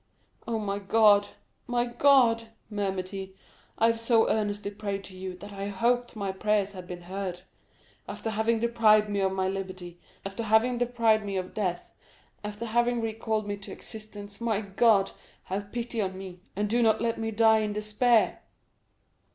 "Oh, my God, my God!" murmured he, "I have so earnestly prayed to you, that I hoped my prayers had been heard. After having deprived me of my liberty, after having deprived me of death, after having recalled me to existence, my God, have pity on me, and do not let me die in despair!"